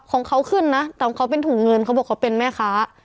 ของเขาขึ้นนะแต่ของเขาเป็นถุงเงินเขาบอกเขาเป็นแม่ค้า